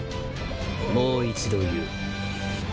もう一度言う。